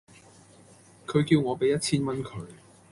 佢叫我畀一千蚊佢